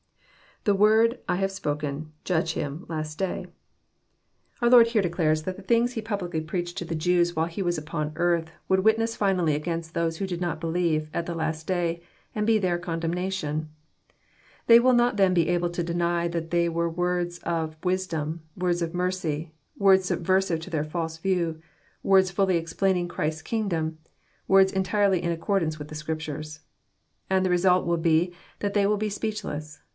IThe word. »,I have spoken,,. judge him,„last day."] Our Lord here declares that the things He publicly preached to the Jews while He was upon earth would witness finally against those who did not believe, at the last day, and be their condemnation. They will not then be able to deny that they were words of wisdom, words of mercy, words subversive of their false views, words fully explaining Christ's kingdom, words entirely in ac cordance with the Scriptures. And the result will be that they will be speechless.